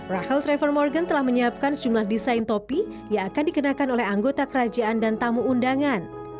rahel travel morgan telah menyiapkan sejumlah desain topi yang akan dikenakan oleh anggota kerajaan dan tamu undangan